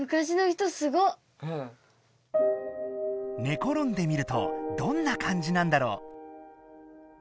ねころんでみるとどんなかんじなんだろう？